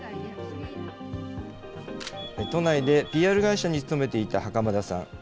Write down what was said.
都内でＰＲ会社に勤めていた袴田さん。